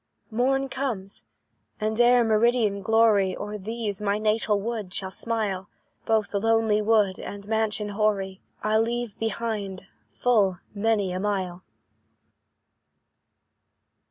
"Morn comes and ere meridian glory O'er these, my natal woods, shall smile, Both lonely wood and mansion hoary I'll leave behind, full many a mile."